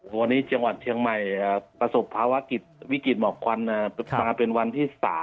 วันนี้จังหวัดเชียงใหม่ประสบภาวะวิกฤตหมอกควันมาเป็นวันที่๓